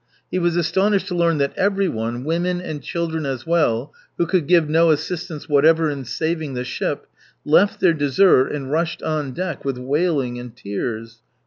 He was astonished to learn that everyone, women and children as well, who could give no assistance whatever in saving the ship, left their dessert and rushed on deck with wailing and tears.